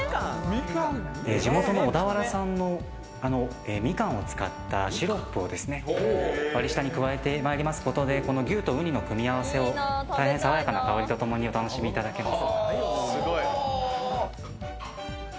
地元・小田原産のみかんを使ったシロップを割り下に加えてまいりますことで、牛とウニの組み合わせをさわやかな香りとともにお楽しみいただけます。